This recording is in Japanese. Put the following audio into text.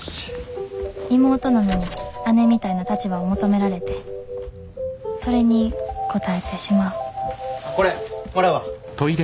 妹なのに姉みたいな立場を求められてそれに応えてしまうこれもらうわ。